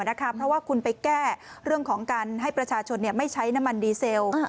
เพราะว่าคุณไปแก้เรื่องของการให้ประชาชนไม่ใช้น้ำมันดีเซล